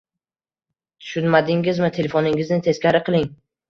Tushunmadingizmi? Telefoningizni teskari qiling!